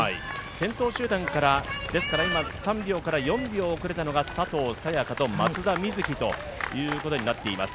先頭集団から３秒から４秒遅れたのが佐藤早也伽と松田瑞生ということになっています。